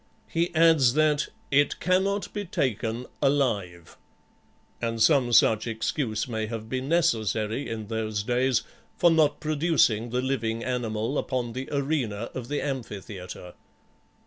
He adds that "it cannot be taken alive;" and some such excuse may have been necessary in those days for not producing the living animal upon the arena of the amphitheatre.